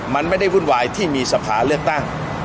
มันไม่ได้วุ่นวายที่มีสภาเลือกตั้ง